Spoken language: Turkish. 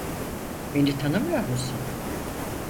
Beni tanımıyor musun?